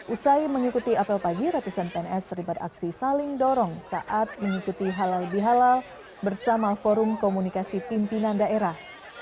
usai mengikuti apel pagi ratusan pns terlibat aksi saling dorong saat mengikuti halal bihalal bersama forum komunikasi pimpinan daerah